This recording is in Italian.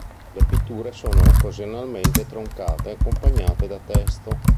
Le pitture sono occasionalmente troncate accompagnate da testo.